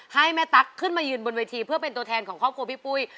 ให้แม่ตั๊กขึ้นมายืนบนเวทีเพื่อเป็นตัวแทนของครอบครัวพี่ปุ้ย